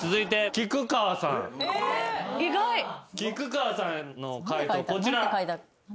菊川さんの解答こちら。